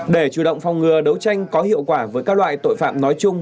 để chủ động phòng ngừa đấu tranh có hiệu quả với các loại tội phạm nói chung